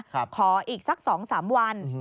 ขออีกสัก๒๓วัน